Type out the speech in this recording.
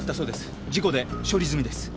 事故で処理済みです。